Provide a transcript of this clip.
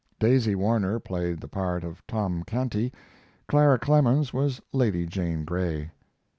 Daisy Warner played the part of Tom Canty, Clara Clemens was Lady Jane Grey.